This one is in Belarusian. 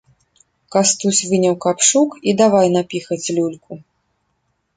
Кастусь выняў капшук і давай напіхаць люльку.